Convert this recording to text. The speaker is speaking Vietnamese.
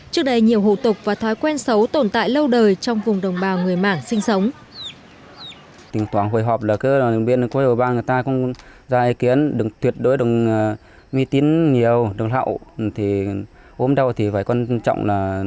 trước đây nhiều hủ tục và thói quen xấu tồn tại lâu đời trong vùng đồng bào người mảng sinh sống